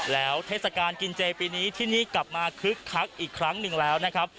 แล้วเทศกาลกินเจปีนี้ที่นี่กลับมาคึกคักอีกครั้งหนึ่งแล้วนะครับ